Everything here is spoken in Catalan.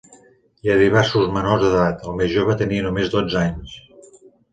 Hi havia diversos menors d'edat, el més jove tenia només dotze anys.